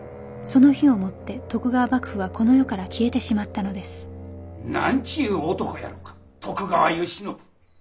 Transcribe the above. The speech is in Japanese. その日をもって徳川幕府はこの世から消えてしまったのですなんちゅう男やろか徳川慶喜。